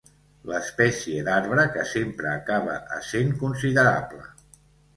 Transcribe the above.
L'espècie d'arbre que sempre acaba essent considerable.